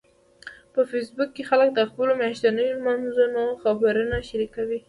په فېسبوک کې خلک د خپلو میاشتنيو لمانځنو خبرونه شریکوي